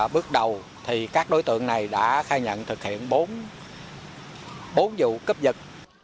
bước đầu các đối tượng này đã khai nhận thực hiện bốn vụ cướp giật